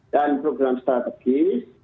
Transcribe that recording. dan program strategis